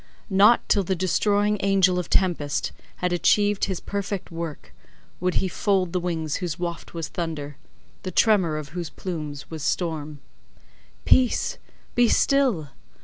Not till the destroying angel of tempest had achieved his perfect work, would he fold the wings whose waft was thunder—the tremor of whose plumes was storm. Peace, be still!